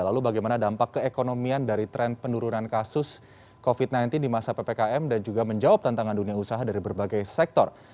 lalu bagaimana dampak keekonomian dari tren penurunan kasus covid sembilan belas di masa ppkm dan juga menjawab tantangan dunia usaha dari berbagai sektor